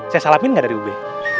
saya salamin gak dari ube